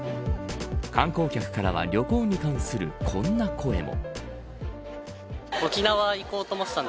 観光客からは旅行に関するこんな声も。